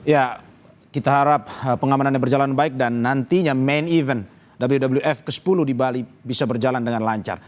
ya kita harap pengamanannya berjalan baik dan nantinya main event wf ke sepuluh di bali bisa berjalan dengan lancar